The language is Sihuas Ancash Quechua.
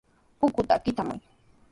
Punkuta kitramuy.